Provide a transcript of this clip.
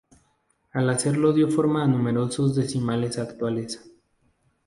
Al hacerlo dio forma a números decimales actuales.